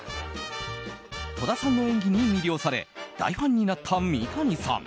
戸田さんの演技に魅了され大ファンになった三谷さん。